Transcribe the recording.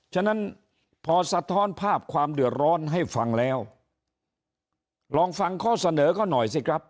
ฉะนั้นพอสะท้อนภาพความเดือดร้อนให้ฟังแล้วลองฟังข้อเสนอก็หน่อยสิครับ